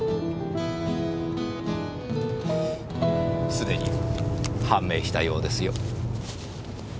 すでに判明したようですよ。